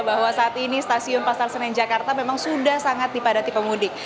bahwa saat ini stasiun pasar senen jakarta memang sudah sangat dipadati pemudik